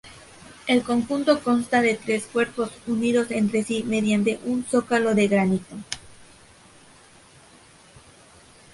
El conjunto consta de tres cuerpos, unidos entre sí mediante un zócalo de granito.